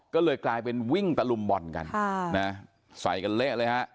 ก็เลยกลายเป็นวิ่งตะลุมบ่อนกันใส่กันเละเลยฮะ